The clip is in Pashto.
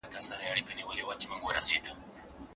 ډېرو ړوندو سړيو تر نورو په ګڼ ځای کي اوږدې ږیري درلودې.